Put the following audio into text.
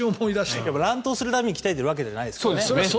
でも、乱闘するために鍛えているわけじゃないですからね。